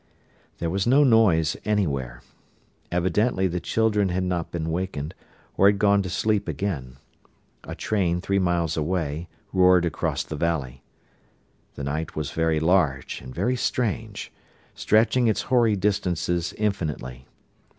There was no noise anywhere. Evidently the children had not been wakened, or had gone to sleep again. A train, three miles away, roared across the valley. The night was very large, and very strange, stretching its hoary distances infinitely.